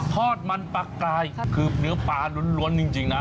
ทอดมันปลากรายคือเนื้อปลาล้วนจริงนะ